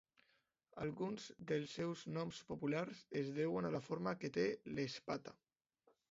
Alguns dels seus noms populars es deuen a la forma que té l'espata.